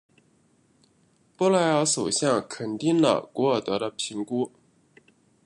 布莱尔首相肯定了古尔德的评估。